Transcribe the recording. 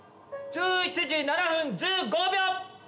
１１時７分１５秒。